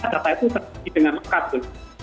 data itu terkait dengan kabel